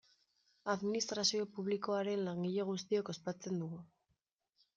Administrazio publikoaren langile guztiok ospatzen dugu.